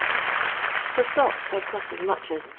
For frocks, I 've got as much as 7«.